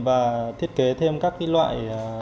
và thiết kế thêm các loại